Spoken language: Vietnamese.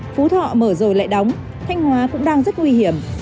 phú thọ mở rồi lại đóng thanh hóa cũng đang rất nguy hiểm